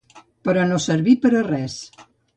Però no serví per a res.